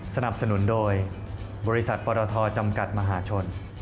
สนับสนุนโดยบริษัทปรทจำกัดมหาชน